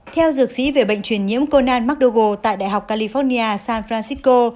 theo dược sĩ về bệnh truyền nhiễm conan mcdougall tại đại học california san francisco